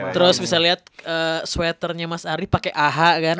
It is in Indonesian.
terus bisa lihat sweaternya mas ari pakai aha kan